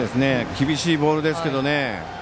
厳しいボールでしたね。